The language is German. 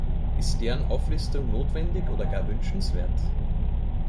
Ist deren Auflistung notwendig oder gar wünschenswert?